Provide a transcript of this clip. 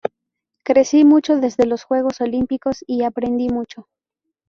Crecí mucho desde los Juegos Olímpicos y aprendí mucho.